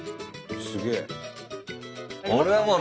すげえ！